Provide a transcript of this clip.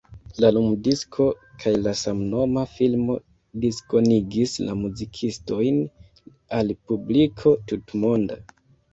La lumdisko kaj la samnoma filmo diskonigis la muzikistojn al publiko tutmonda.